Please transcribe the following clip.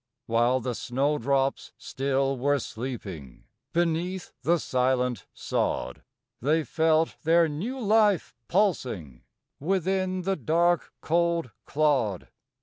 While the snow drops still were sleeping Beneath the silent sod; They felt their new life pulsing Within the dark, cold clod.